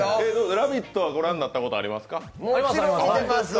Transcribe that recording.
「ラヴィット！」は御覧になったことありますか。